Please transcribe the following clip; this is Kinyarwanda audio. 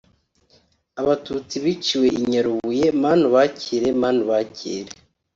Abatutsi biciwe i Nyarubuye Mana ubakire Mana ubakire